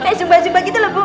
kayak zumba gitu lah bu